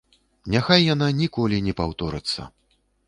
Няхай яна ніколі не паўторыцца!